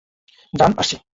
যান, আসছি।